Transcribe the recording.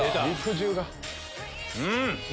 うん！